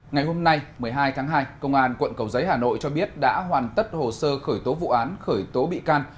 ngày hôm nay một mươi hai tháng hai công an quận cầu giấy hà nội cho biết đã hoàn tất hồ sơ khởi tố vụ án khởi tố bị can